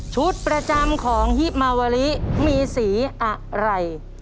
ประจำของฮิมาวาริมีสีอะไร